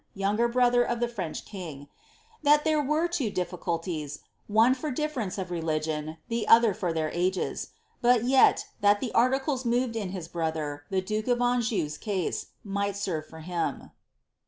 younger brother to the French king : that there were two difficulties, one for difference SLIIABBTH. 3SI of reli^on, the other for their ages ; but vet, that the articled moved in hu brother, the duke of Anjou's case, might serve for him.